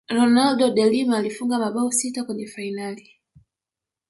ronaldo de Lima alifunga mabao sita kwenye fainali